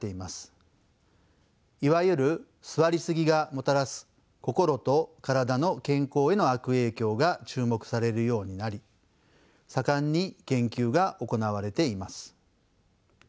いわゆる座りすぎがもたらす心と体の健康への悪影響が注目されるようになり盛んに研究が行われています。